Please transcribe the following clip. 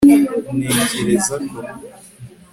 ntekereza ko